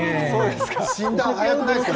診断が早くないですか？